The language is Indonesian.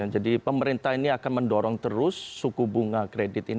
jadi pemerintah ini akan mendorong terus suku bunga kredit ini